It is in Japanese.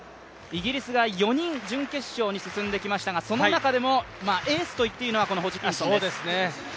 イギリスが４人準決勝に進んできましたがその中でもエースといっていいのは、このホジキンソンです。